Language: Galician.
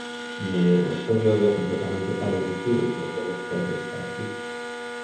Mire, vostede obvia completamente cal é o motivo polo que vostede está aquí.